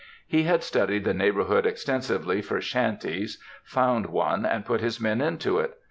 He had studied the neighborhood extensively for shanties, found one, and put his men into it.